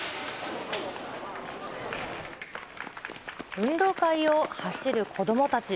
運動会を走る子どもたち。